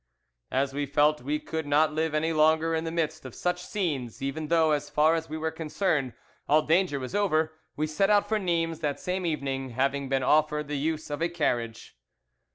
"As we felt we could not live any longer in the midst of such scenes, even though, as far as we were concerned, all danger was over, we set out for Nimes that same evening, having been offered the use of a carriage.